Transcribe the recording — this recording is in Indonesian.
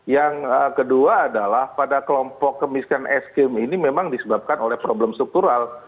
yang kedua adalah pada kelompok kemiskinan es krim ini memang disebabkan oleh problem struktural